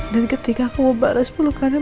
dan ketika aku mau bales pelukanya